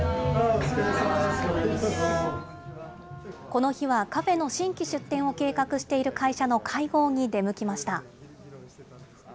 この日はカフェの新規出店を計画している会社の会合に出向きました。